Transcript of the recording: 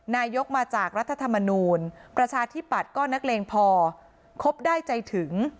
นายกมาจากรัฐธรรมนูลประชาธิปัตย์ก็นักเลงพอคบได้ใจถึง